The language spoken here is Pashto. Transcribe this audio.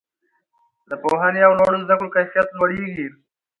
د پوهنې او لوړو زده کړو کیفیت لوړیږي.